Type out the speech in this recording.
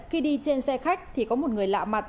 khi đi trên xe khách thì có một người lạ mặt